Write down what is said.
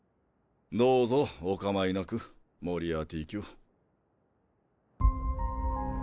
どうぞおかまいなくモリアーティ卿。